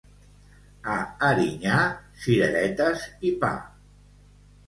A Erinyà, cireretes i pa.